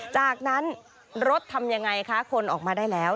จากนั้นรถทำยังไงคะคนออกมาได้แล้ว